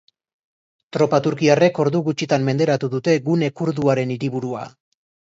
Tropa turkiarrek ordu gutxitan menderatu dute gune kurduaren hiriburua.